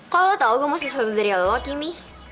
kok lo tau gue masih satu dari lo kimi